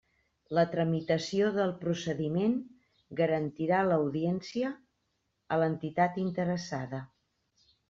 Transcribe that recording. La tramitació del procediment garantirà l'audiència a l'entitat interessada.